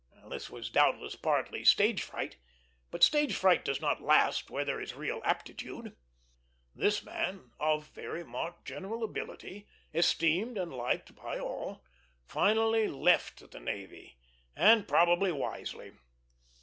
This was doubtless partly stage fright; but stage fright does not last where there is real aptitude. This man, of very marked general ability, esteemed and liked by all, finally left the navy; and probably wisely.